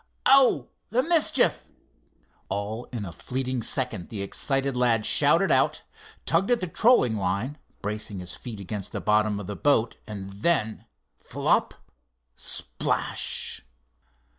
Oh, the mischief!" All in a fleeting second the excited lad shouted out, tugged at the trolling line, bracing his feet against the bottom of the boat, and then—flop! splash!